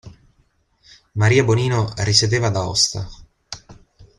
Maria Bonino risiedeva ad Aosta.